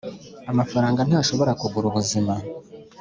amafaranga ntashobora kugura ubuzima.